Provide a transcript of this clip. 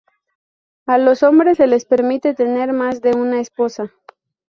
A los hombres se les permite tener más de una esposa.